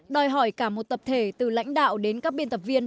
đòi hỏi cả một tập thể từ lãnh đạo đến các biên tập viên